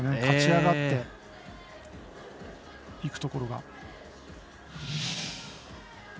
勝ち上がっていくところが。